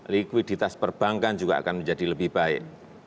likuiditas perbankan juga akan menjadi lebih baik